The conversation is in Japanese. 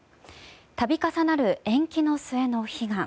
度重なる延期の末の悲願。